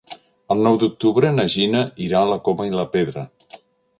El nou d'octubre na Gina irà a la Coma i la Pedra.